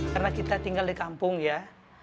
karena kita tinggal di kampung ya